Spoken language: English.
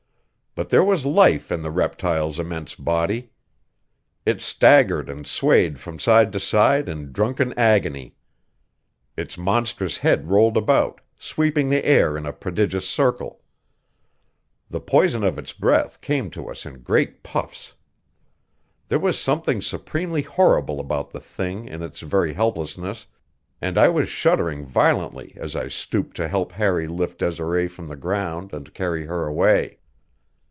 But there was life in the reptile's immense body. It staggered and swayed from side to side in drunken agony. Its monstrous head rolled about, sweeping the air in a prodigious circle. The poison of its breath came to us in great puffs. There was something supremely horrible about the thing in its very helplessness, and I was shuddering violently as I stooped to help Harry lift Desiree from the ground and carry her away.